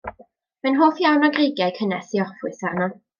Mae'n hoff iawn o greigiau cynnes i orffwys arno.